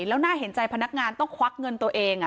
แล้วน่าเห็นใจพนักงานต้องควักเงินตัวเอง